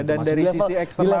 iya dan dari sisi eksternal